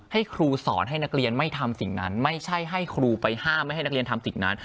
ให้ครูสอนให้นักเรียนไม่ทำสิ่งนั้นไม่ใช่ให้ครูไปห้ามไม่ให้นักเรียนทำสิ่งนั้น